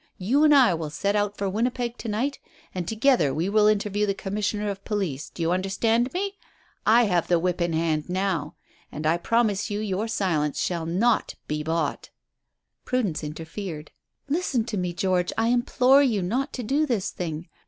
You and I will set out for Winnipeg to night, and together we will interview the Commissioner of Police. Do you understand me? I have the whip hand now. And I promise you your silence shall not be bought." Prudence interfered. "Listen to me, George. I implore you not to do this thing.